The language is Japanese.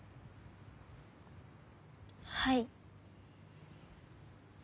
はい。